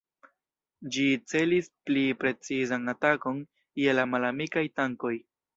Ĝi celis pli precizan atakon je la malamikaj tankoj.